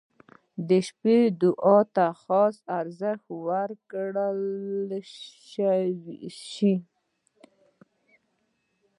• د شپې دعا ته خاص ارزښت ورکړل شوی.